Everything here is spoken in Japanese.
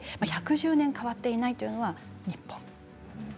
１１０年変わっていないというのは日本。